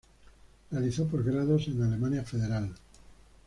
Realizó posgrados en Alemania Federal.